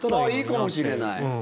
いいかもしれない。